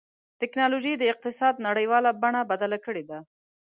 ټکنالوجي د اقتصاد نړیواله بڼه بدله کړې ده.